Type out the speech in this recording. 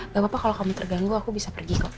gak apa apa kalau kamu terganggu aku bisa pergi ke